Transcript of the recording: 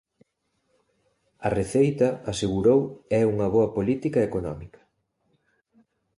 A receita, asegurou, é unha boa política económica.